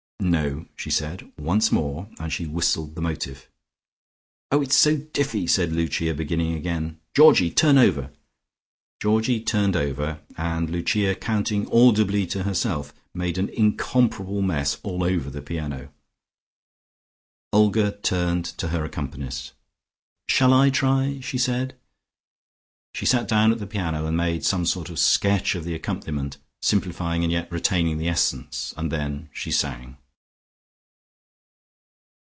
"No," she said. "Once more," and she whistled the motif. "Oh! it's so diffy!" said Lucia beginning again. "Georgie! Turn over!" Georgie turned over, and Lucia counting audibly to herself made an incomparable mess all over the piano. Olga turned to her accompanist. "Shall I try?" she said. She sat down at the piano, and made some sort of sketch of the accompaniment, simplifying, and yet retaining the essence. And then she sang.